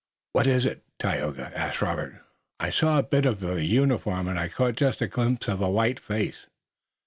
"What is it, Tayoga?" asked Robert. "I saw a bit of a uniform, and I caught just a glimpse of a white face."